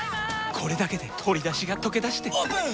これだけで鶏だしがとけだしてオープン！